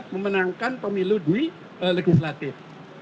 memenangkan pemilu di legislatif